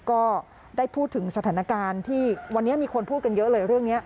ก็ได้พูดถึงสถานการณ์ที่วันนี้มีคนพูดกันเยอะเลยเรื่องนี้